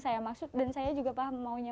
saya masuk dan saya juga paham maunya